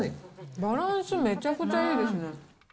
バランスめちゃくちゃいいですね。